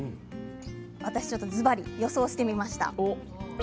私、ちょっとずばり予想してみました。